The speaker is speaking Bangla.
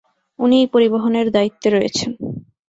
উনিই পরিবহনের দায়িত্বে রয়েছেন।